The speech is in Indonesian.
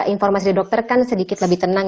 informasi dari dokter kan sedikit lebih tenang